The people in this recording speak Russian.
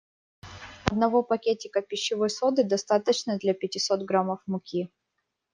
Одного пакетика пищевой соды достаточно для пятисот граммов муки.